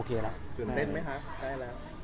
ตื่นเต้นไหมคะใกล้แล้ว